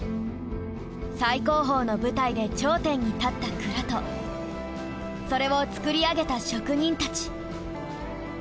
最高峰の舞台で頂点に立った鞍とそれを作り上げた職人たち。